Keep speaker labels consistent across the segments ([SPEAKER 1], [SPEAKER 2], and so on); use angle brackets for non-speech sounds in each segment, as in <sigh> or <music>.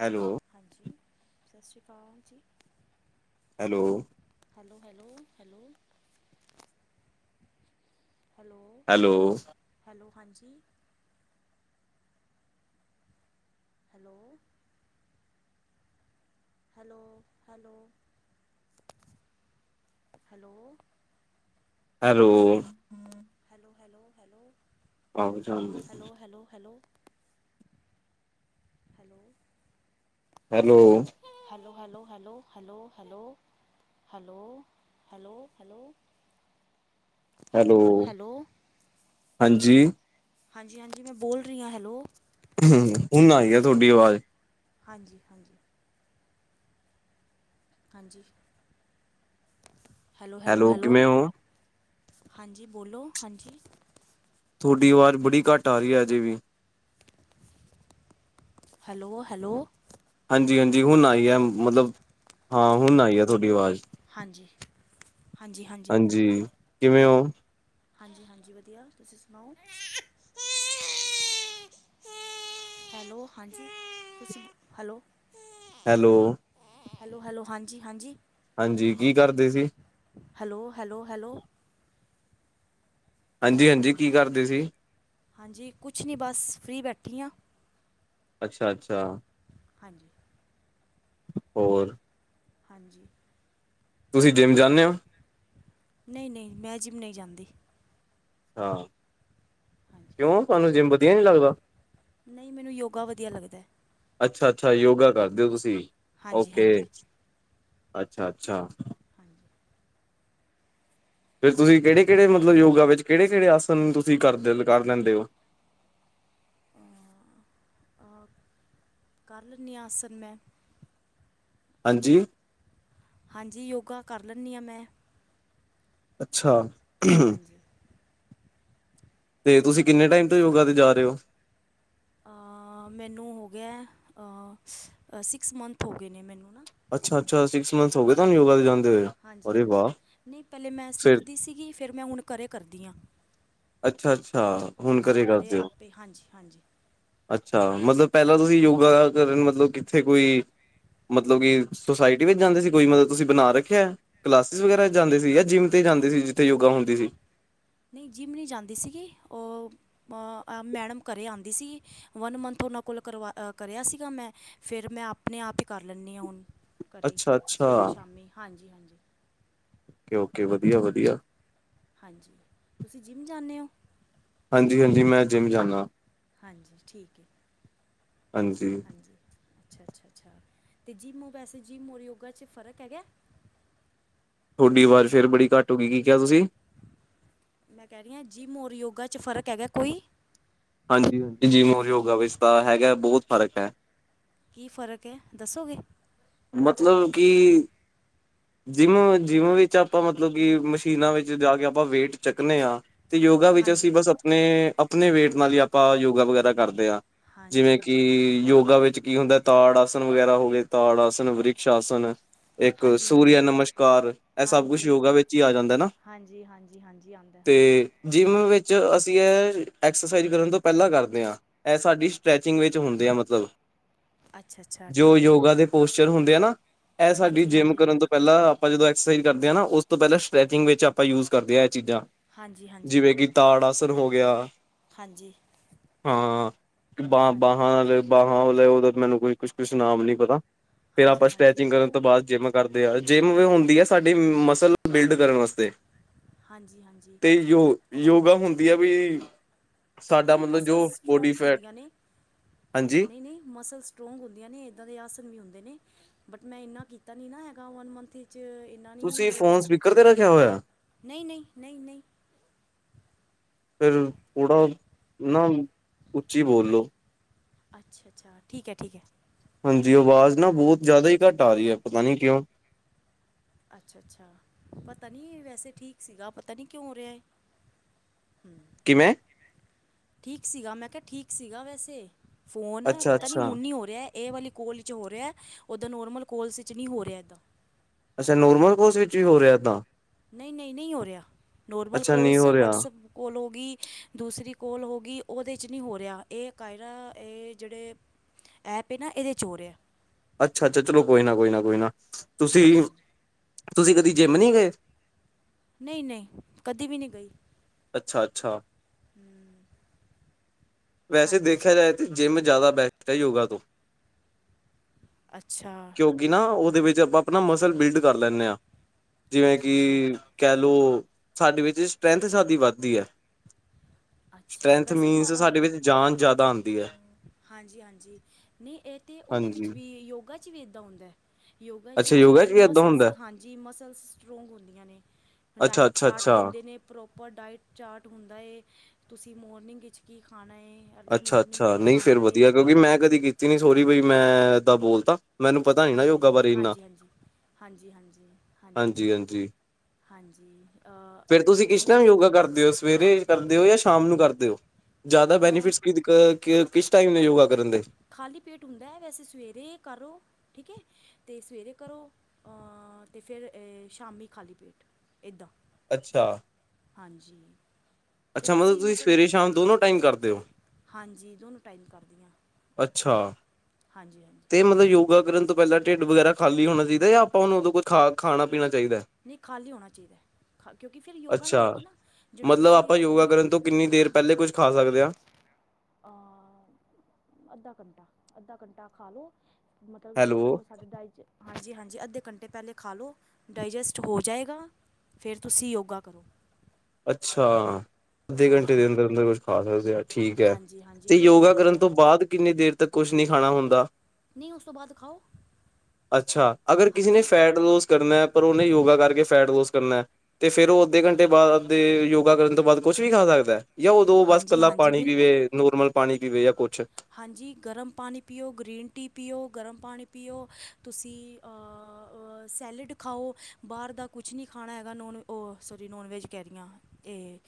[SPEAKER 1] Hello.
[SPEAKER 2] ਹਾਂਜੀ ਸਤਿ ਸ਼੍ਰੀ ਅਕਾਲ ਜੀ।
[SPEAKER 1] Hello.
[SPEAKER 2] Hello hello hello hello.
[SPEAKER 1] Hello.
[SPEAKER 2] Hello ਹਾਂਜੀ। ਹੈਲੋ। ਲੋ hello hello
[SPEAKER 1] hello
[SPEAKER 2] hello hello hello
[SPEAKER 1] ਆਹੋ ਜਾਂਦੇ
[SPEAKER 2] hello hello hello hello.
[SPEAKER 1] Hello
[SPEAKER 2] hello hello hello hello hello hello hello hello
[SPEAKER 1] hello
[SPEAKER 2] hello
[SPEAKER 1] ਹਾਂਜੀ।
[SPEAKER 2] ਹਾਂਜੀ ਹਾਂਜੀ ਮੈਂ ਬੋਲ ਰਹੀ ਹਾਂ ਹੈਲੋ।
[SPEAKER 1] ਹਮ ਹੁਣ ਆਈ ਆ ਤੁਹਾਡੀ ਆਵਾਜ਼
[SPEAKER 2] ਹਾਂਜੀ ਹਾਂਜੀ। ਹਾਂਜੀ।
[SPEAKER 1] Hello
[SPEAKER 2] hello hello hello.
[SPEAKER 1] ਕਿਵੇਂ ਹੋ
[SPEAKER 2] ਹਾਂਜੀ ਬੋਲੋ ਹਾਂਜੀ।
[SPEAKER 1] ਤੁਹਾਡੀ ਆਵਾਜ਼ ਬੜੀ ਘੱਟ ਆ ਰਹੀ ਹੈ। ਅਜੇ ਵੀ
[SPEAKER 2] ਹੈਲੋ-ਹੈਲੋ।
[SPEAKER 1] ਹਾਂਜੀ ਹਾਂਜੀ ਹੁਣ ਆਈ ਹੈ। ਮਤਲਬ ਹਾਂ ਹੁਣ ਆਈ ਹੈ ਤੁਹਾਡੀ ਆਵਾਜ਼। <unintelligible>
[SPEAKER 2] ਹਾਂਜੀ।
[SPEAKER 1] ਹਾਂਜੀ ਕਿਵੇਂ ਹੋ?
[SPEAKER 2] ਹਾਂਜੀ ਹਾਂਜੀ ਵਧੀਆ ਤੁਸੀਂ ਸੁਣਾਓ ਹੈਲੋ ਹਾਂਜੀ ਹੈਲੋ
[SPEAKER 1] ਹੈਲੋ।
[SPEAKER 2] ਹੈਲੋ ਹੈਲੋ ਹਾਂਜੀ ਹਾਂਜੀ
[SPEAKER 1] ਹਾਂਜੀ ਕੀ ਕਰਦੇ ਸੀ।
[SPEAKER 2] ਹੈਲੋ ਹੈਲੋ ਹੈਲੋ
[SPEAKER 1] ਹਾਂਜੀ ਹਾਂਜੀ ਕੀ ਕਰਦੇ ਸੀ।
[SPEAKER 2] ਹਾਂਜੀ ਕੁਛ ਨਹੀਂ ਬਸ ਫ੍ਰਰੀ ਬੈਠੀ ਹਾਂ।
[SPEAKER 1] ਅੱਛਾ ਅੱਛਾ।
[SPEAKER 2] ਹਾਂਜੀ
[SPEAKER 1] ਹੋਰ
[SPEAKER 2] ਹਾਂਜੀ
[SPEAKER 1] ਤੁਸੀਂ ਜਿੰਮ ਜਾਂਦੇ ਹੋ।
[SPEAKER 2] ਨਹੀਂ ਨਹੀਂ ਮੈਂ ਜਿਮ ਨਹੀਂ ਜਾਂਦੀ।
[SPEAKER 1] ਹਾਂ
[SPEAKER 2] ਹਾਂਜੀ
[SPEAKER 1] ਕਿਉ ਤੁਹਾਨੂੰ ਜਿਮ ਵਧੀਆ ਨੀ ਲੱਗਦਾ
[SPEAKER 2] ਨਹੀਂ ਮੈਨੂੰ ਯੋਗਾ ਵਧੀਆ ਲੱਗਦਾ।
[SPEAKER 1] ਅੱਛਾ ਅੱਛਾ ਯੋਗਾ ਕਰਦੇ ਓ ਤੁਸੀਂ
[SPEAKER 2] ਹਾਂਜੀ
[SPEAKER 1] ਓਕੇ
[SPEAKER 2] ਹਾਂਜੀ
[SPEAKER 1] ਅੱਛਾ ਅੱਛਾ।
[SPEAKER 2] ਹਾਂਜੀ।
[SPEAKER 1] ਫਿਰ ਤੁਸੀਂ ਕਿਹੜੇ ਕਿਹੜੇ ਮਤਲਬ ਯੋਗਾ ਵਿੱਚ ਕਿਹੜੇ ਕਿਹੜੇ ਆਸਨ ਤੁਸੀਂ ਕਰਦੇ ਕਰ ਲੈਂਦੇ ਹੋ।
[SPEAKER 2] ਕਰੱਲ ਨਹੀਂ ਆਸਨ ਮੈਂ
[SPEAKER 1] ਹਾਂਜੀ।
[SPEAKER 2] ਹਾਂਜੀ, ਯੋਗਾ ਕਰ ਲੈਂਦੀ ਹਾਂ ਮੈਂ।
[SPEAKER 1] ਅੱਛਾ।
[SPEAKER 2] ਹਾਂਜੀ।
[SPEAKER 1] ਤੇ ਤੁਸੀਂ ਕਿੰਨੇ ਟਾਈਮ ਤੋਂ ਯੋਗਾ ਤੇ ਜਾ ਰਹੇ ਹੋ?
[SPEAKER 2] ਮੈਨੂੰ ਹੋ ਗਿਆ ਸਿਕਸ ਮੰਥ ਹੋ ਗਏ ਨੇ ਮੈਨੂੰ ਨਾ
[SPEAKER 1] ਅੱਛਾ ਅੱਛਾ ਸਿਕਸ ਮੰਥ ਹੋ ਗਏ ਤਾਂ ਯੋਗਾ ਦੇ ਜਾਂਦੇ ਹੋਏ
[SPEAKER 2] ਹਾਂਜੀ
[SPEAKER 1] ਅਰੇ
[SPEAKER 2] ਹਾਂਜੀ
[SPEAKER 1] ਵਾਹ ਫਿਰ
[SPEAKER 2] ਫੇਰ ਮੈਂ ਹੁਣ ਘਰੇ ਕਰਦੀ ਹਾਂ।
[SPEAKER 1] ਅੱਛਾ- ਅੱਛਾ ਹੁਣ
[SPEAKER 2] ਹਾਂਜੀ
[SPEAKER 1] ਘਰੇ ਕਰਦੇ ਹੋ
[SPEAKER 2] ਆਪੇ ਹਾਂਜੀ ਹਾਂਜੀ
[SPEAKER 1] ਅੱਛਾ ਮਤਲਬ ਪਹਿਲਾਂ ਤੁਸੀ ਯੋਗਾ ਕਰਨ ਮਤਲਬ ਕਿੱਥੇ ਕੋਈ ਮਤਲਬ ਕਿ ਸੋਸਾਇਟੀ ਵਿੱਚ ਜਾਂਦੇ ਸੀ। ਕੋਈ ਮਤਲਬ ਤੁਸੀ ਬਣਾ ਰੱਖਿਆ ਕਲਾਸਿਸ ਵਗੈਰਾ ਜਾਂਦੇ ਸੀ। ਜਾਂ ਜਿੰਮ ਤੇ ਜਾਂਦੇ ਸੀ ਜਿੱਥੇ ਯੋਗਾ ਹੁੰਦੀ ਸੀ।
[SPEAKER 2] ਨਹੀ ਜਿਮ ਨਹੀਂ ਜਾਂਦੀ ਸੀਗੀ, ਉਹ ਮੈਡਮ ਘਰੇ ਆਉਂਦੀ ਸੀ, ਵਨ ਮੰਥ ਉਹਨਾਂ ਕੋਲ ਕਰਿਆ ਸੀਗਾ ਮੈਂ, ਫਿਰ ਮੈਂ ਆਪ ਆਪਣੇ ਆਪ ਹੀ ਕਰ ਲੈਂਨੀ ਹਾਂ, ਹੁਣ ਘਰੇ
[SPEAKER 1] ਅੱਛਾ-ਅੱਛਾ,
[SPEAKER 2] ਸਵੇਰੇ ਸ਼ਾਮੀ ਹਾਂਜੀ- ਹਾਂਜੀ
[SPEAKER 1] ਓਕੇ -ਓਕੇ, ਵਧੀਆ- ਵਧੀਆ
[SPEAKER 2] ਹਾਂਜੀ, ਤੁਸੀਂ ਜਿਮ ਜਾਂਨੇ ਹੋ?
[SPEAKER 1] ਹਾਂਜੀ- ਹਾਂਜੀ, ਮੈਂ ਜਿਮ ਜਾਂਨਾ,
[SPEAKER 2] ਹਾਂਜੀ ਠੀਕ ਹੈ
[SPEAKER 1] ਹਾਂਜੀ
[SPEAKER 2] ਅੱਛਾ- ਅੱਛਾ, ਅੱਛਾ ਅਤੇ ਜਿਮ ਵੈਸੇ ਜਿਮ ਔਰ ਯੋਗਾ ਚ, ਫ਼ਰਕ ਹੈਗਾ
[SPEAKER 1] ਤੁਹਾਡੀ ਆਵਾਜ਼ ਫੇਰ ਬੜੀ ਘੱਟ ਹੋ ਗਈ, ਕੀ ਕਿਹਾ ਤੁਸੀ?
[SPEAKER 2] ਮੈਂ ਕਹਿ ਰਹੀ ਹਾਂ, ਜਿਮ ਔਰ ਯੋਗਾ ਚ ਫ਼ਰਕ ਹੈਗਾ ਕੋਈ?
[SPEAKER 1] ਹਾਂਜੀ- ਹਾਂਜੀ, ਜਿਮ ਔਰ ਯੋਗਾ ਵਿਚ ਤਾਂ ਹੈਗਾ, ਬਹੁਤ ਫ਼ਰਕ ਹੈ।
[SPEAKER 2] ਕੀ ਫ਼ਰਕ ਹੈ ਦੱਸੋਗੇ?
[SPEAKER 1] ਮਤਲਬ ਕਿ ਜਿੰਮ- ਜਿੰਮ ਵਿੱਚ, ਆਪਾਂ ਮਤਲਬ ਕਿ ਮਸ਼ੀਨਾਂ ਵਿੱਚ ਜਾ ਕੇ ਆਪਾਂ ਵੇਟ ਚੱਕਨੇ ਹਾਂ। ਤੇ ਯੋਗਾ ਵਿੱਚ,
[SPEAKER 2] ਹਾਂਜੀ
[SPEAKER 1] ਅਸੀਂ ਬਸ ਆਪਣੇ- ਆਪਣੇ ਵੇਟ ਨਾਲ ਹੀ, ਆਪਾਂ ਯੋਗਾ ਵਗੈਰਾ ਕਰਦੇ ਹਾਂ। ਜਿਵੇਂ
[SPEAKER 2] ਹਾਂਜੀ
[SPEAKER 1] ਕਿ
[SPEAKER 2] ਹਾਂਜੀ
[SPEAKER 1] ਯੋਗਾ ਵਿੱਚ ਕੀ ਹੁੰਦਾ, ਤਾੜ ਆਸਣ ਵਗੈਰਾ ਹੋ ਗਏ, ਤਾੜ ਆਸਣ ਧਨੁ ਵ੍ਰਿਕਸ਼ ਆਸਣ। ਇੱਕ
[SPEAKER 2] ਹਾਂਜੀ
[SPEAKER 1] ਸੂਰਿਆ
[SPEAKER 2] ਹਾਂਜੀ
[SPEAKER 1] ਨਮਸਕਾਰ, ਇਹ ਸਭ ਕੁਛ ਯੋਗਾ
[SPEAKER 2] ਹਾਂਜੀ
[SPEAKER 1] ਵਿੱਚ ਹੀ ਆ ਜਾਂਦਾ ਨਾ।
[SPEAKER 2] ਹਾਂਜੀ ਹਾਂਜੀ ਹਾਂਜੀ ਆਉਂਦਾ
[SPEAKER 1] ਤੇ
[SPEAKER 2] ਹਾਂਜੀ
[SPEAKER 1] ਜਿਮ ਵਿੱਚ, ਅਸੀ ਇਹ ਐਕਸਰਸਾਈਜ਼ ਕਰਨ ਤੋਂ ਪਹਿਲਾਂ ਕਰਦੇ ਹਾਂ ਇਹ ਸਾਡੀ ਸਟਰੈਚਿੰਗ ਵਿੱਚ ਹੁੰਦੇ ਆ, ਮਤਲਬ
[SPEAKER 2] ਅੱਛਾ ਅੱਛਾ
[SPEAKER 1] ਜੋ
[SPEAKER 2] ਠੀਕ ਹੈ
[SPEAKER 1] ਯੋਗਾ ਦੇ ਪੋਸਚਰ ਹੁੰਦੇ ਆ ਨਾ, ਇਹ ਸਾਡੀ
[SPEAKER 2] ਹਾਂਜੀ
[SPEAKER 1] ਜਿੰਮ
[SPEAKER 2] ਹਾਂਜੀ
[SPEAKER 1] ਕਰਨ ਤੋਂ ਪਹਿਲਾਂ ਆਪਾਂ ਜਦੋਂ ਐਕਸਰਸਾਈਜ਼ ਕਰਦੇ ਹਾਂ, ਨਾ ਉਸ ਤੋਂ ਪਹਿਲਾਂ ਸਟੈਚਿੰਗ ਵਿੱਚ ਆਪਾਂ ਯੂਜ ਕਰਦੇ ਹਾਂ, ਇਹ ਚੀਜ਼ਾਂ
[SPEAKER 2] ਹਾਂਜੀ ਹਾਂਜੀ ਹਾਂਜੀ
[SPEAKER 1] ਜਿਵੇਂ ਕਿ, ਤਾੜ ਆਸਣ ਹੋ ਗਿਆ।
[SPEAKER 2] ਹਾਂਜੀ
[SPEAKER 1] ਹਾਂ, ਬ
[SPEAKER 2] ਹਾਂਜੀ
[SPEAKER 1] ਬਾਹਾਂ ਬਾਹਾਂ ਵਾਲਾ ਉਹਦਾ ਮੈਨੂੰ, ਕੋਈ ਕੁਛ- ਕੁਛ ਨਾਮ ਨੀ ਪਤਾ ਫਿਰ ਆਪਾਂ
[SPEAKER 2] ਹਾਂਜੀ
[SPEAKER 1] ਸਟ੍ਰੈਚਿੰਗ ਕਰਨ ਤੋਂ ਬਾਅਦ ਜਿਮ ਕਰਦੇ ਹਾਂ। ਜਿਮ ਹੁੰਦੀ ਹੈ, ਸਾਡੀ ਮਸਲ ਬਿਲਡ ਕਰਨ ਵਾਸਤੇ,
[SPEAKER 2] ਹਾਂਜੀ ਹਾਂਜੀ
[SPEAKER 1] ਤੇ ਯੋ, ਯੋਗਾ ਹੁੰਦੀ ਆ ਵੀ
[SPEAKER 2] ਇਹ
[SPEAKER 1] ਸਾਡਾ
[SPEAKER 2] ਵੀ
[SPEAKER 1] ਮਤਲਬ
[SPEAKER 2] ਮਸਲਸ
[SPEAKER 1] ਜੋ ਬੋਡੀ
[SPEAKER 2] ਸਟਰੋਂਗਸ
[SPEAKER 1] ਫੈਟ
[SPEAKER 2] ਹੁੰਦੀਆਂ ਨੇ,
[SPEAKER 1] ਹਾਂਜੀ
[SPEAKER 2] ਨਹੀ -ਨਹੀ ਮਸਲਸ ਸਟਰੋਂਗ ਹੁੰਦੀਆਂ ਨੇ, ਇਦਾਂ ਦੇ ਆਸਣ ਵੀ ਹੁੰਦੇ ਨੇ, ਬਟ ਮੈ ਇੰਨਾ ਕੀਤਾ ਨਹੀ ਨਾ ਹੈਗਾ ਵਨ ਮੰਥ ਵਿੱਚ ਇੰਨਾ ਨਹੀ,
[SPEAKER 1] ਤੁਸੀਂ
[SPEAKER 2] ਉਹ
[SPEAKER 1] ਫੋਨ ਸਪੀਕਰ ਤੇ ਰੱਖਿਆ ਹੋਇਆ
[SPEAKER 2] ਨਹੀ- ਨਹੀ, ਨਹੀ- ਨਹੀ
[SPEAKER 1] ਫਿਰ ਥੋੜ੍ਹਾ ਨਾ, ਉੱਚੀ ਬੋਲੋ
[SPEAKER 2] ਅੱਛਾ- ਅੱਛਾ, ਠੀਕ ਹੈ, ਠੀਕ ਹੈ।
[SPEAKER 1] ਹਾਂਜੀ, ਆਵਾਜ਼ ਨਾ
[SPEAKER 2] ਹਾਂਜੀ
[SPEAKER 1] ਬਹੁਤ ਜ਼ਿਆਦਾ ਹੀ ਘੱਟ ਆ ਰਹੀ ਹੈ, ਪਤਾ ਨੀ ਕਿਉਂ?
[SPEAKER 2] ਅੱਛਾ- ਅੱਛਾ, ਪਤਾ ਨਹੀ ਵੈਸੇ ਠੀਕ ਸੀਗਾ, ਪਤਾ ਨਹੀ ਕਿਉਂ ਹੋ ਰਿਹਾ ਹੈ। ਹਮ
[SPEAKER 1] ਕਿਵੇਂ?
[SPEAKER 2] ਠੀਕ ਸੀਗਾ, ਮੈਂ ਕਿਹਾ, ਠੀਕ ਸੀਗਾ, ਵੈਸੇ ਫੋਨ
[SPEAKER 1] ਅੱਛਾ
[SPEAKER 2] ਪਤਾ ਨੀ,
[SPEAKER 1] ਅੱਛਾ
[SPEAKER 2] ਹੁਣ ਨੀ ਹੋ ਰਿਹਾ ਇਹ ਵਾਲੀ ਕੋਲ ਚ ਹੋ ਰਿਹਾ, ਉਦਾਂ ਨੋਰਮਲ ਕੋਲਸ ਵਿੱਚ ਨਹੀ ਹੋ ਰਿਹਾ ਇੱਦਾਂ
[SPEAKER 1] ਅੱਛਾ, ਨੋਰਮਲ ਕਾਲਸ ਵਿੱਚ ਵੀ ਹੋ ਰਿਹਾ ਇੱਦਾਂ?
[SPEAKER 2] ਨਹੀ ਨਹੀ, ਨਹੀ ਹੋ ਰਿਹਾ ਨੋਰਮਲ
[SPEAKER 1] ਅੱਛਾ ਨਹੀਂ
[SPEAKER 2] ਕੋਲਸ,
[SPEAKER 1] ਹੋ ਰਿਹਾ
[SPEAKER 2] ਵਟਸਐਪ ਕੋਲ ਹੋ ਗਈ ਦੂਸਰੀ ਕੋਲ ਹੋ ਗਈ, ਉਹਦੇ 'ਚ ਨਹੀਂ ਹੋ ਰਿਹਾ, ਇਹ ਕਾਇਰਾ ਇਹ ਜਿਹੜੇ ਐਪ ਏ ਨਾ, ਇਹਦੇ'ਚ ਹੋ ਰਿਹਾ
[SPEAKER 1] ਅੱਛਾ- ਅੱਛਾ, ਚਲੋ ਕੋਈ ਨਾ, ਕੋਈ ਨਾ, ਕੋਈ ਨਾ ਤੁਸੀ
[SPEAKER 2] ਹਾਂਜੀ ਹਾਂਜੀ
[SPEAKER 1] ਤੁਸੀ ਕਦੀ ਜਿਮ ਨਹੀ ਗਏ?
[SPEAKER 2] ਨਹੀ ਨਹੀ, ਕਦੇ ਵੀ ਨਹੀ ਗਈ।
[SPEAKER 1] ਅੱਛਾ -ਅੱਛਾ।
[SPEAKER 2] ਹਮ
[SPEAKER 1] ਵੈਸੇ
[SPEAKER 2] ਹਾਂਜੀ
[SPEAKER 1] ਦੇਖਿਆ ਜਾਏ ਤਾਂ, ਜਿਮ ਜ਼ਿਆਦਾ ਬੈਸਟ ਹੈ, ਯੋਗਾ ਤੋਂ
[SPEAKER 2] ਅੱਛਾ-
[SPEAKER 1] ਕਿਉਂਕਿ ਨਾ, ਉਹਦੇ ਵਿੱਚ ਆਪਾਂ ਆਪਣਾ ਮਸਲ ਬਿਲਡ ਕਰ ਲੈਂਦੇ ਹਾਂ, ਜਿਵੇਂ
[SPEAKER 2] ਅੱਛਾ ਅੱਛਾ
[SPEAKER 1] ਕਿ ਕਹਿ ਲਓ, ਸਾਡੇ ਵਿੱਚ ਸਟਰੈੰਥ ਸਾਡੀ ਵੱਧਦੀ ਹੈ।
[SPEAKER 2] ਅੱਛਾ।
[SPEAKER 1] ਸਟਰੈਂਥ
[SPEAKER 2] ਵੈਸੇ ਮ
[SPEAKER 1] ਮੀਨਸ
[SPEAKER 2] ਅ
[SPEAKER 1] ਸਾਡੇ ਵਿੱਚ ਜਾਨ ਜ਼ਿਆਦਾ ਆਉਂਦੀ ਹੈ
[SPEAKER 2] ਹਾਂਜੀ-ਹਾਂਜੀ, ਨੀ ਏ ਤੇ ਓਦੇ ਵਿੱਚ
[SPEAKER 1] ਹਾਂਜੀ
[SPEAKER 2] ਵੀ ਯੋਗਾ ਵੀ ਏਦਾਂ ਹੁੰਦਾ ਐ। ਯੋਗਾ ਵਿਚ
[SPEAKER 1] ਅੱਛਾ ਯੋਗਾ ਚ
[SPEAKER 2] ਵੀ
[SPEAKER 1] ਏਦਾਂ
[SPEAKER 2] ਮਸਲਸ,
[SPEAKER 1] ਹੁੰਦਾ
[SPEAKER 2] ਹਾਂਜੀ, ਮਸਲਸ ਸਟਰੋਂਗ ਹੁੰਦੀਆਂ ਨੇ।
[SPEAKER 1] ਅੱਛਾ
[SPEAKER 2] ਡਾਇਟ
[SPEAKER 1] ਅੱਛਾ
[SPEAKER 2] ਚਾਟ
[SPEAKER 1] ਅੱਛਾ
[SPEAKER 2] ਦਿੰਦੇ ਨੇ। ਪ੍ਰੋਪਰ ਡਾਇਟ ਚਾਰਟ ਹੁੰਦਾ ਏ, ਤੁਸੀ ਮੋਰਨਿੰਗ ਵਿਚ ਕੀ ਖਾਣਾ ਏ। ਅਰਲੀ ਮੋਰਨਿੰਗ
[SPEAKER 1] ਅੱਛਾ-ਅੱਛਾ,
[SPEAKER 2] ਕੀ
[SPEAKER 1] ਨਈ ਫੇਰ
[SPEAKER 2] ਖਾਣਾ
[SPEAKER 1] ਵਧੀਆ,
[SPEAKER 2] ਏ
[SPEAKER 1] ਕਿਉਂਕਿ ''ਮੈਂ ਕਦੀ ਕੀਤੀ ਨੀ, ਸੋਰੀ
[SPEAKER 2] ਹਾਂਜੀ
[SPEAKER 1] ਬਈ ਮੈਂ ਐਦਾਂ ਬੋਲ ਤਾ।
[SPEAKER 2] ਹਾਂਜੀ, ਹਾਂਜੀ, ਹਾਂਜੀ, ਹਾਂਜੀ, ਹਾਂਜੀ, ਹਾਂਜੀ, ਹਾਂਜੀ। ਹਾਂਜੀ
[SPEAKER 1] ਫੇਰ ਤੁਸੀ
[SPEAKER 2] ਅਰਲੀ
[SPEAKER 1] ਕਿਸ ਟੈਮ ਯੋਗਾ ਕਰਦੇ ਓ, ਸਵੇਰੇ ਕਰਦੇ ਓ, ਯਾ ਸ਼ਾਮ ਨੂੰ ਕਰਦੇ ਓ? ਜਾਦਾ
[SPEAKER 2] ਮੋਰਨਿੰਗ
[SPEAKER 1] ਬੈਨੀਫਿਟਸ ਕਿਦ, ਕ ਕ ਕਿਸ ਟਾਈਮ ਨੇ ਯੋਗਾ ਕਰਨ ਦੇ?
[SPEAKER 2] ਖਾਲੀ ਪੇਟ ਹੁੰਦਾ ਹੈ, ਵੈਸੇ ਸਵੇਰੇ ਕਰੋ, ਠੀਕ ਹੈ। ਤੇ, ਸਵੇਰੇ ਕਰੋ ਆਂ, ਤੇ ਫੇਰ ਸ਼ਾਮੀ ਖਾਲੀ ਪੇਟ, ਏਦਾਂ।
[SPEAKER 1] ਅੱਛਾ!
[SPEAKER 2] ਹਾਂਜੀ। ਤੇ
[SPEAKER 1] ਅੱਛਾ, ਮਤਲਬ
[SPEAKER 2] ਤੁਸੀਂ
[SPEAKER 1] ਤੁਸੀ ਸਵੇਰੇ-ਸ਼ਾਮ ਦੋਨੋਂ ਟਾਈਮ ਕਰਦੇ ਓ?
[SPEAKER 2] ਹਾਂਜੀ। ਦੋਨੋ ਟਾਈਮ ਕਰਦੀ ਆ,
[SPEAKER 1] ਅੱਛਾ
[SPEAKER 2] ਹਾਂਜੀ-ਹਾਂਜੀ।
[SPEAKER 1] ਤੇ ਮਤਲਬ ਯੋਗਾ ਕਰਨ ਪਹਿਲਾ ਢਿੱਡ ਵਗੈਰਾ ਖਾਲੀ ਹੋਣਾ ਚਾਹੀਦਾ? ਯਾ, ਆਪਾਂ ਉਹਨੂੰ ਉਦੌ ਕੋ, ਖਾਣਾ- ਪੀਣਾ ਚਾਹੀ
[SPEAKER 2] ਨਈ ਖਾਲੀ ਹੋਣਾ ਚਾਹੀਦ ਐ। ਖਾ, ਕਿਉਂਕਿ ਫੇਰ ਯੋਗਾ ਨਈ
[SPEAKER 1] ਅੱਛਾ
[SPEAKER 2] ਹੋਏਗੀ ਨਾ, ਜੇਹੜੀ
[SPEAKER 1] ਮਤਲਬ
[SPEAKER 2] ਤੁਸੀ
[SPEAKER 1] ਆਪਾਂ
[SPEAKER 2] ਆ
[SPEAKER 1] ਯੋਗਾ ਕਰਨ ਤੋ, ਕਿੰਨੀ ਦੇਰ ਪਹਿਲੇ ਕੁੱਝ ਖਾ ਸਕਦੇ ਹਾਂ?
[SPEAKER 2] ਆ, ਅੱਧਾ ਘੰਟਾ, ਅੱਧਾ ਘੰਟਾ ਖਾ ਲਓ ਮਤਲਬ ਜੋ,
[SPEAKER 1] ਹੈਲੋ
[SPEAKER 2] ਓ ਸਾਡਾ ਡਾਇ'ਚ ਹਾਂਜੀ- ਹਾਂਜੀ। ਅੱਧੇ ਘੰਟੇ ਪਹਿਲੇ ਖਾ ਲਉ ਡਾਇਜੈਸਟ ਹੋ ਜਾਏਗਾ। ਫੇਰ, ਤੁਸੀ ਯੋਗਾ ਕਰੋ।
[SPEAKER 1] ਅੱਛਾ! ਅੱਧੇ ਘੰਟੇ
[SPEAKER 2] ਹਾਂਜੀ
[SPEAKER 1] ਦੇ ਅੰਦਰ-
[SPEAKER 2] ਹਾਂਜੀ
[SPEAKER 1] ਅੰਦਰ ਕੁਛ ਖਾ ਸਕਦੇ ਆ, ਠੀਕ ਐ।
[SPEAKER 2] ਹਾਂਜੀ ਹਾਂਜੀ
[SPEAKER 1] ਤੇ,
[SPEAKER 2] ਕਿਉਂਕਿ
[SPEAKER 1] ਯੋਗਾ
[SPEAKER 2] ਫਿਰ
[SPEAKER 1] ਕਰਨ
[SPEAKER 2] ਉਹ
[SPEAKER 1] ਤੋ ਬਾਅਦ, ਕਿੰਨੀ ਦੇਰ ਤੱਕ ਕੁਛ ਨੀ ਖਾਣਾ ਹੁੰਦਾ?
[SPEAKER 2] ਨਈ ਓਸ ਤੋ ਬਾਦ
[SPEAKER 1] ਅੱਛਾ, ਅਗਰ ਕਿਸੀ ਨੇ
[SPEAKER 2] ਹਾਂਜੀ
[SPEAKER 1] ਫੈਟ ਲੋਸ ਕਰਨਾ ਐ, ਪਰ ਓਨੇ ਯੋਗਾ ਕਰਕੇ ਫੈਟ ਲੋਸ ਕਰਨਾ ਐ, ਤੇ ਫਿਰ ਓ, ਅੱਧੇ ਘੰਟੇ ਬਾਦ ਯੋਗਾ ਕਰਨ ਤੋਂ ਬਾਅਦ ਕੋਛ ਵੀ ਖਾ ਸਕਦਾ ਐ? ਯਾ ਔਦੋਂ ਬਸ
[SPEAKER 2] ਹਾਂਜੀ
[SPEAKER 1] ਕੱਲਾ
[SPEAKER 2] ਹਾਂਜੀ
[SPEAKER 1] ਪਾਣੀ
[SPEAKER 2] ਬਿਲਕੁਲ
[SPEAKER 1] ਪੀਵੇ। ਨੋਰਮਲ ਪਾਣੀ ਪੀਵੇ ਯਾ ਕੁਛ।
[SPEAKER 2] ਹਾਂਜੀ, ਗਰਮ ਪਾਣੀ ਪੀਓ, ਗ੍ਰੀਨ ਟੀ ਪੀਓ, ਗਰਮ ਪਾਣੀ ਪੀਓ ਤੁਸੀ ਆ ਸੈਲਡ ਖਾਓ ਬਾਰ ਦਾ ਕੁਛ ਨੀ ਖਾਣਾ ਹੈਗਾ, ਨੋਨ ਓ, ਸੌਰੀ ਨੋਨਵੇਜ ਕਹਿ ਰਹੀਆਂ। ਏ,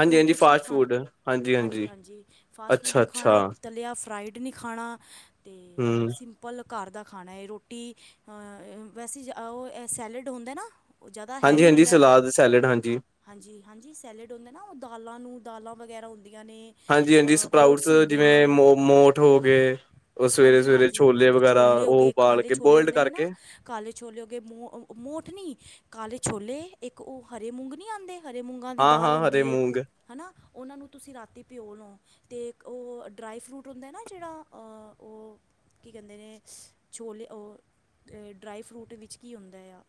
[SPEAKER 1] ਹਾਂਜੀ ਹਾਂਜੀ
[SPEAKER 2] ਕੁਛ ਨੀ
[SPEAKER 1] ਫਾਸਟ
[SPEAKER 2] ਖਾਣਾ।
[SPEAKER 1] ਫੂਡ ਹਾਂਜੀ ਹਾਂਜੀ
[SPEAKER 2] ਹਾਂਜੀ-ਹਾਂਜੀ ਫਾਸਟ ਫੂਡ
[SPEAKER 1] ਅੱਛਾ
[SPEAKER 2] ਦੀ
[SPEAKER 1] ਅੱਛਾ
[SPEAKER 2] ਖਾਣਾ ਤਲਿਯਾ ਫ੍ਰਾਈਡ ਨੀ ਖਾਣਾ, ਤੇ
[SPEAKER 1] ਹਮ
[SPEAKER 2] ਸਿੰਪਲ ਘਰ ਦਾ ਖਾਣਾ ਏ, ਰੋਟੀ ਅ, ਵੈਸੇ, ਓ ਸੈਲਡ ਹੁੰਦਾ ਐਨਾ ਓ ਜਾਦਾ
[SPEAKER 1] ਹਾਂਜੀ
[SPEAKER 2] ਹੈਵੀ
[SPEAKER 1] ਹਾਂਜੀ
[SPEAKER 2] ਹੁੰਦਾ ਐ।
[SPEAKER 1] ਸਲਾਦ ਸੈਲਡ ਹਾਂਜੀ
[SPEAKER 2] ਹਾਂਜੀ- ਹਾਂਜੀ ਸੈਲਡ ਹੁੰਦੇ ਨਾ, ਓ ਦਾਲਾਂ ਨੂੰ, ਦਾਲਾਂ ਵਗੈਰਾ ਹੁੰਦੀਆਂ ਨੇ।
[SPEAKER 1] ਹਾਂਜੀ-ਹਾਂਜੀ ਸਪਰਾਊਟਸ
[SPEAKER 2] ਓਟਸ ਹੁੰਦੇ
[SPEAKER 1] ਜਿਵੇਂ
[SPEAKER 2] ਨੇ
[SPEAKER 1] ਮੋ, ਮੋਠ ਹੋ ਗਏ। ਓ
[SPEAKER 2] ਹਾਂਜੀ
[SPEAKER 1] ਸਵੇਰੇ-ਸਵੇਰੇ
[SPEAKER 2] ਹਾਂਜੀ
[SPEAKER 1] ਛੋਲੇ
[SPEAKER 2] ਹਾਂਜੀ
[SPEAKER 1] ਵਗੈਰਾ,
[SPEAKER 2] ਛੋਲੇ ਹੋ
[SPEAKER 1] ਓ
[SPEAKER 2] ਗਏ
[SPEAKER 1] ਉਬਾਲ
[SPEAKER 2] ਕਾਲੇ
[SPEAKER 1] ਕੇ,
[SPEAKER 2] ਛੋਲੇ
[SPEAKER 1] ਪੋਲਡ
[SPEAKER 2] ਹੁੰਦੇ ਨੇ ਨਾ
[SPEAKER 1] ਕਰਕੇ।
[SPEAKER 2] ਕਾਲੇ ਛੋਲੇ ਹੋਗੇ ਮ ਮੋਠ ਨੀ, ਕਾਲੇ ਛੋਲੇ, ਏਕ ਓਹ, ਹਰੇ ਮੂੰਗ ਨੀ ਆਂਦੇ। ਹਰੇ ਮੂੰਗਾਂ ਦੀ
[SPEAKER 1] ਹਾਂ-ਹਾਂ
[SPEAKER 2] ਦਾਲ
[SPEAKER 1] ਹਰੇ
[SPEAKER 2] ਹੁੰਦੀ ਏ,
[SPEAKER 1] ਮੂੰਗ
[SPEAKER 2] ਹਨਾ। ਓਨਾਂ ਨੂੰ ਤੁਸੀ ਰਾਤੀ ਭਿਓ ਲੋ, ਤੇ ਓ ਡਰਾਈ ਫਰੂਟ ਹੁੰਦੈ ਨਾ ਜੇੜਾ ਅ ਓ ਕੀ ਕਹਿੰਦੇ ਨੇ ਛੋਲੇ ਓ ਡਰਾਈ ਫਰੂਟ ਵਿੱਚ ਕੀ ਹੁੰਦਾ ਐ ਆ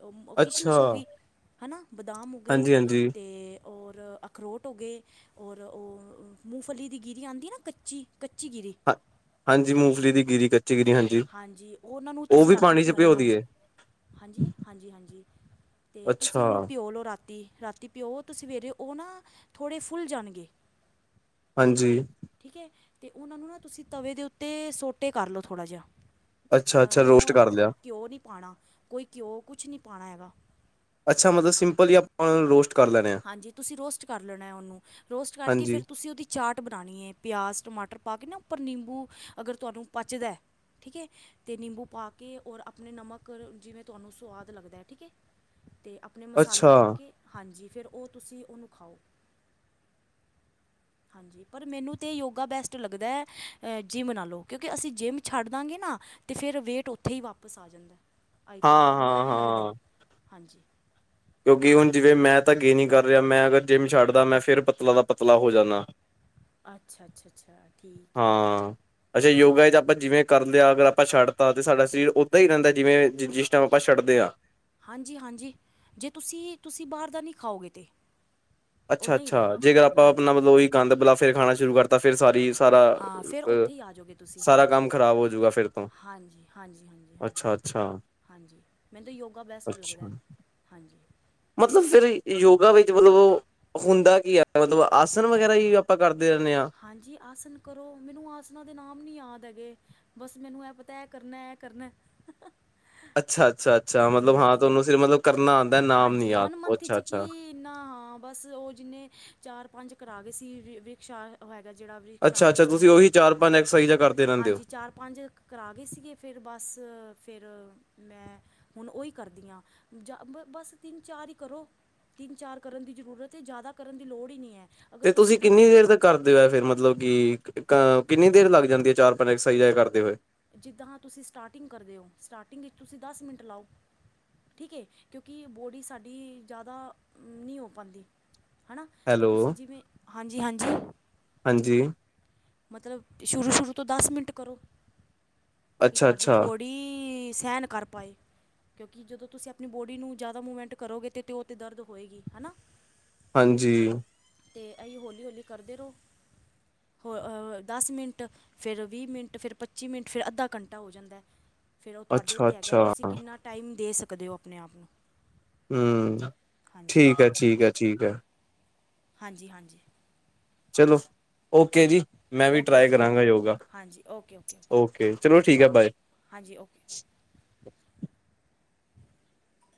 [SPEAKER 2] ਓ‌,
[SPEAKER 1] ਅੱਛਾ।
[SPEAKER 2] ਕਿਸ਼ਮਿਸ਼ ਹੋਗੀ ਹਨਾ, ਬਦਾਮ ਹੋਗੇ
[SPEAKER 1] ਹਾਂਜੀ-ਹਾਂਜੀ
[SPEAKER 2] ਤੇ ਔਰ ਅਖਰੋਟ ਹੋਗੇ, ਔਰ ਓ, ਮੁੂੰਫ ਫਲੀ ਦੀ ਗਿਰੀ ਆਂਦੀ ਆ ਨਾ ਕੱਚੀ, ਕੱਚੀ-ਗਿਰੀ।
[SPEAKER 1] ਹਾਂਜੀ, ਮੂੰਫਲੀ ਦੀ ਗਿਰੀ, ਕੱਚੀ ਗਿਰੀ ਹਾਂ
[SPEAKER 2] ਹਾਂਜੀ। ਓਹਨਾਂ ਨੂੰ ਤੁਸੀ ਰਾਤੀ ਭਿਓਂ ਲੋ।
[SPEAKER 1] ਦੀਏ
[SPEAKER 2] ਹਾਂਜੀ! ਹਾਂਜੀ-ਹਾਂਜੀ ਤੇ, ਤੁਸੀ
[SPEAKER 1] ਅੱਛਾ
[SPEAKER 2] ਓਨੂੰ ਭਿਂਓ ਲਓ ਰਾਤੀ ਰਾ ਤੇ ਭਿਓ ਤੁਸੀਂ ਉਹ, ਸਵੇਰੇ ਉਹ ਨਾ, ਥੋੜ੍ਹੇ ਫੁੱਲ ਜਾਣਗੇ।
[SPEAKER 1] ਹਾਂਜੀ।
[SPEAKER 2] ਠੀਕ ਹੈ? ਤੇ ਉਹਨਾਂ ਨੂੰ ਨਾ ਤੁਸੀਂ ਤਵੇ ਦੇ ਉੱਤੇ ਸੋਟੇ ਕਰ ਲਉ ਥੋੜ੍ਹਾ ਜਿਹਾ। ਅਹ
[SPEAKER 1] ਅੱਛਾ-ਅੱਛਾ
[SPEAKER 2] ਨੋ
[SPEAKER 1] ਰੋਸਟ ਕਰ ਲਿਆ
[SPEAKER 2] ਘਿਓ ਨਹੀਂ ਪਾਉਣਾ, ਕੋਈ ਘਿਓ ਕੁਛ ਨਹੀਂ ਪਾਉਣਾ ਹੈਗਾ।
[SPEAKER 1] ਅੱਛਾ ਮਤਲਬ ਸਿੰਪਲ ਈ ਆ ਉਹਨਾਂ ਨੂੰ ਰੋਸੂਟ ਕਰ ਲੈ।
[SPEAKER 2] ਹਾਂਜੀ ਤੁਸੀਂ ਰੋਸਟ ਕਰ ਲੈਣਾ ਉਹਨੂੰ। ਰੋਸਟ ਕਰਕੇ
[SPEAKER 1] ਹਾਂਜੀ
[SPEAKER 2] ਫਿਰ ਤੁਸੀਂ ਉਹਦੀ ਚਾਟ ਬਣਾਉਣੀ ਹੈ, ਪਿਆਜ਼, ਟਮਾਟਰ ਪਾ ਕੇ ਨਾ ਉੱਪਰ ਨਿੰਬੂ ਅਗਰ ਤੁਹਾਨੂੰ ਪਚਦੈ ਠੀਕ ਏ, ਤੇ ਨਿੰਬੂ ਪਾ ਕੇ ਓਰ ਆਪਨੇ ਨਮਕ ਅਰ ਜਿਵੇਂ ਤੁਹਾਨੂੰ ਸਵਾਦ ਲੱਗਦੈ ਠੀਕ ਏ। ਤੇ ਆਪਨੇ ਮਸਾਲੇ
[SPEAKER 1] ਅੱਛਾ
[SPEAKER 2] ਪਾ ਕੇ, ਹਾਂਜੀ ਫੇਰ ਓ ਤੁਸੀਂ ਓਨੂ ਖਾਓ। ਹਾਂਜੀ, ਪਰ ਮੈਨੂੰ ਤੇ ਯੋਗਾ ਬੈਸਟ ਲੱਗਦੈ ਅ ਜਿੰਮ ਨਾਲੋ ਕੇਓਕੇ ਅਸੀਂ ਜਿੰਮ ਛੱਡ ਦਾਂਗੇ ਨਾ ਤੇ ਫੇਰ ਵੇਟ ਓਥੇ ਈ ਵਾਪਸ ਆ ਜਾਂਦੈ, ਆਈ ਥਿਂਕ ਮੈਨੂ ਐਵੇਂ ਲੱਗਦੈ
[SPEAKER 1] ਹਾਂ-ਹਾਂ-ਹਾਂ
[SPEAKER 2] ਹਾਂਜੀ।
[SPEAKER 1] ਕੇਓਕਿ ਹੁਨ ਜਿਵੇਂ ਮੈਂ ਤਾਂ ਗੇਨ ਈ ਕਾਰ ਰੇਆ ਮੈਂ ਅਗਰ ਜਿੰਮ ਛਾੱਡਦਾ ਮੈਂ ਫੇਰ ਪਤਲਾ ਦਾ ਪਤਲਾ ਹੋ ਜਾਨਾਂ।
[SPEAKER 2] ਅੱਛਾ-ਅੱਛਾ ਅੱਛਾ ਠੀਕ ਏ, ਅੱਛਾ-ਅੱਛਾ।
[SPEAKER 1] ਕਰਲੇਯਾ ਅਗਰ ਆਪਾਂ ਛੱਡ ਤਾ ਤੇ ਸਾਡਾ ਸਰੀਰ ਓਦਾਂ ਈ ਰੈਂਦੈ ਜਿਵੇਂ, ਜਿਸ ਟਾਈਮ ਆਪਾਂ ਸ਼ਡਦੇ ਆਂ।
[SPEAKER 2] ਹਾਂਜੀ-ਹਾਂਜੀ, ਜੇ ਤੁਸੀ ਤੁਸੀ ਬਾਰ ਦਾ ਨੀ ਖਾਓਗੇ ਤੇ।
[SPEAKER 1] ਅੱਛਾ-ਅੱਛਾ, ਜੇਕਰ ਆਪਾਂ
[SPEAKER 2] ਹਾਂਜੀ
[SPEAKER 1] ਅਪਨਾ ਮਤਲਬ ਓਈ ਗਾੰਦ ਬਲਾ ਫੇਰ ਖਾਣਾ ਸ਼ੁਰੂ ਕਰਤਾ ਫੇਰ ਸਾਰੀ ਸਾਰਾ
[SPEAKER 2] ਹਾਂ ਫਿਰ
[SPEAKER 1] ਅ,
[SPEAKER 2] ਉੱਥੇ ਹੀ ਆ ਜਾਓਗੇ ਤੁਸੀਂ
[SPEAKER 1] ਸਾਰਾ
[SPEAKER 2] ਹਾਂਜੀ
[SPEAKER 1] ਕਾੰਮ ਖ਼ਰਾਬ ਹੋਜੂਗਾ ਫੇਰ ਤੋਂ
[SPEAKER 2] ਹਾਂਜੀ ਹਾਂਜੀ ਹਾਂਜੀ ਹਾਂਜੀ ਹਾਂਜੀ
[SPEAKER 1] ਅੱਛਾ। ਅੱਛਾ।
[SPEAKER 2] ਹਾਂਜੀ, ਮੈਨ ਤੇ ਯੋਗਾ ਬੈਸਟ ਲੱਗਦੈ
[SPEAKER 1] ਅੱਛਾ
[SPEAKER 2] ਹਾਂਜੀ।
[SPEAKER 1] ਮਤਲਬ ਫੇਰ ਯੋਗਾ ਵਿੱਚ ਮਲਬ ਓ ਹੁੰਦਾ ਕੀ ਐ, ਮਤਲਬ ਆਸਨ ਵਗੈਰਾ ਈ ਆਪਾਂ ਕਰਦੇ ਰੈਨੇ ਆਂ।
[SPEAKER 2] ਹਾਂਜੀ, ਆਸਨ ਕਰੋ ਮਿਨੂੰ ਆਸਨਾਂ ਦੇ ਨਾਮ ਨੀ ਯਾਦ ਹੈਗੇ। ਬਸ ਮੈਨੂੰ ਐ ਪਤੈ, ਐ ਕਰਨੈ ਐ ਕਰਨੈ।
[SPEAKER 1] ਅੱਛਾ- ਅੱਛਾ- ਅੱਛਾ ਮਤਲਬ ਹਾਂ ਤਾਂ ਤੁਹਾਨੂੰ ਫਿਰ ਮਤਲਬ ਕਰਨਾ। ਆਉਂਦਾ ਨਾਮ ਨੀ
[SPEAKER 2] ਹਾਂਜੀ
[SPEAKER 1] ਯਾਦ
[SPEAKER 2] ਵਨ ਮੰਥ
[SPEAKER 1] ਅੱਛਾ
[SPEAKER 2] 'ਚ
[SPEAKER 1] ਅੱਛਾ
[SPEAKER 2] ਕੀ ਨਾ ਬਸ ਉਹ ਜਿੰਨੇ ਚਾਰ ਪੰਜ ਕਰਾ ਗਏ ਸੀ ਰਿ ਰਿਕਸ਼ਾ ਉਹ ਹੈਗਾ ਜਿਹੜਾ
[SPEAKER 1] ਅੱਛਾ ਅੱਛਾ
[SPEAKER 2] ਵੀਚਾਰਸਨ
[SPEAKER 1] ਤੁਸੀਂ ਉਹੀ ਚਾਰ ਪੰਜ ਐਕਸਰਸਾਈਜ਼ਾਂ ਕਰਦੇ ਰਹਿੰਦੇ ਹੋ
[SPEAKER 2] ਹਾਂਜੀ-ਹਾਂਜੀ ਚਾਰ ਪੰਜ ਕਰਾ ਗਏ ਸੀਗੇ ਫਿਰ ਬਸ ਫਿਰ ਮੈਂ ਹੁਣ ਹੀ ਕਰਦੀਆਂ ਜਬ ਬਸ ਤਿੰਨ ਚਾਰ ਹੀ ਕਰੋ ਤਿੰਨ ਚਾਰ ਕਰਨ ਦੀ ਜ਼ਰੂਰਤ ਹੈ ਜ਼ਿਆਦਾ ਕਰਨ ਦੀ ਲੋੜ ਹੀ ਨਹੀਂ ਹੈ। ਅਗਰ
[SPEAKER 1] ਤੇ ਤੁਸੀਂ
[SPEAKER 2] ਇੱਕ
[SPEAKER 1] ਕਿੰਨੀ ਦੇਰ ਤੱਕ ਕਰਦੇ ਹੋ ਫਿਰ ਮਤਲਬ ਕਿ ਅ ਕਿੰਨੀ
[SPEAKER 2] ਹਾਂ
[SPEAKER 1] ਦੇਰ ਲੱਗ ਜਾਂਦੀ ਹੈ ਚਾਰ ਆਪਣੀ ਐਕਸਰਸਾਈਜ਼ ਕਰਦੇ ਹੋਏ।
[SPEAKER 2] ਜਿੱਦਾਂ ਹਾਂ ਤੁਸੀਂ ਸਟਾਰਟਿੰਗ ਕਰਦੇ ਹੋ ਸਟਾਰਟਿੰਗ ਵਿੱਚ ਤੁਸੀਂ ਦਸ ਮਿੰਟ ਲਾਓ। ਠੀਕ ਹੈ ਕਿਉਂਕਿ ਬੋਡੀ ਸਾਡੀ ਜ਼ਿਆਦਾ ਨਹੀਂ ਹੋ ਪਾਂਦੀ। ਹਨਾ ਤੇ
[SPEAKER 1] ਹੈਲੋ
[SPEAKER 2] ਤੁਸੀਂ ਜਿਵੇਂ ਹਾਂਜੀ-ਹਾਂਜੀ।
[SPEAKER 1] ਹਾਂਜੀ।
[SPEAKER 2] ਮਤਲਬ ਸ਼ੁਰੂ-ਸ਼ੁਰੂ ਤੋਂ ਦਸ ਮਿੰਟ ਕਰੋ। ਕਿ
[SPEAKER 1] ਅੱਛਾ
[SPEAKER 2] ਤੁਹਾਡੀ
[SPEAKER 1] ਅੱਛਾ
[SPEAKER 2] ਬੋਡੀ ਸਹਿਣ ਕਰ ਪਾਏ। ਕਿਉਂਕਿ ਜਦੋਂ ਤੁਸੀਂ ਆਪਣੀ ਬੋਡੀ ਨੂੰ ਜ਼ਿਆਦਾ ਮੂਵਮੈਂਟ ਕਰੋਗੇ ਤੇ ਉਹ ਤੇ ਦਰਦ ਹੋਏਗੀ ਹਨਾ।
[SPEAKER 1] ਹਾਂਜੀ।
[SPEAKER 2] ਤੇ ਇਹ ਹੌਲੀ-ਹੌਲੀ ਕਰਦੇ ਰਹੋ। ਹੋਰ ਅਹ ਦਸ ਮਿੰਟ, ਫਿਰ ਵੀਹ ਮਿੰਟ, ਫਿਰ ਪੱਚੀ ਮਿੰਟ, ਫਿਰ ਅੱਧਾ ਘੰਟਾ ਹੋ ਜਾਂਦਾ ਹੈ। ਫਿਰ ਉਹ ਤੁਹਾਡੇ
[SPEAKER 1] ਅੱਛਾ
[SPEAKER 2] ਉੱਤੇ ਹੈਗਾ
[SPEAKER 1] ਅੱਛਾ
[SPEAKER 2] ਤੁਸੀਂ ਕਿੰਨਾ ਟਾਈਮ ਦੇ ਸਕਦੇ ਹੋ ਆਪਣੇ ਆਪ ਨੂੰ
[SPEAKER 1] ਹੂੰ
[SPEAKER 2] ਹਾਂਜੀ
[SPEAKER 1] ਠੀਕ ਹੈ-ਠੀਕ ਹੈ-ਠੀਕ ਹੈ।
[SPEAKER 2] ਹਾਂਜੀ-ਹਾਂਜੀ।
[SPEAKER 1] ਚਲੋ ਓਕੇ ਜੀ ਮੈਂ ਵੀ
[SPEAKER 2] ਓਕੇ
[SPEAKER 1] ਟਰਾਈ
[SPEAKER 2] ਓਕੇ
[SPEAKER 1] ਕਰਾਂਗਾ ਯੋਗਾ
[SPEAKER 2] ਹਾਂਜੀ ਓਕੇ ਓਕੇ
[SPEAKER 1] ਓਕ ਓਕੇ ਚਲੋ ਠੀਕ ਆ ਬਾਏ।
[SPEAKER 2] ਹਾਂਜੀ ਓਕੇ।